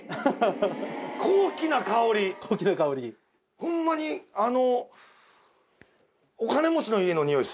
ホンマにあの。